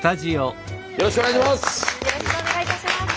よろしくお願いします。